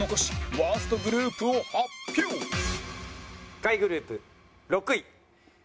下位グループ６位。